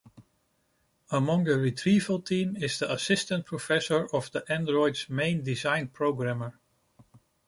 Among the retrieval team is the assistant professor of the android's main design programmer.